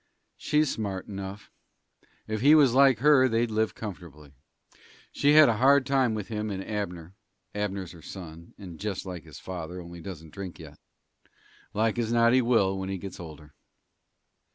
"She's smart enough. If he was like her they'd live comfortably. She has a hard time with him and Abner Abner's her son, and just like his father, only doesn't drink yet. Like as not he will when he gets older."